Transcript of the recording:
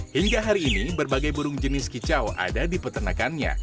hingga hari ini berbagai burung jenis kicau ada di peternakannya